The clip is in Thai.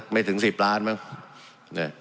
ไม่ถึง๑๐ล้านบาท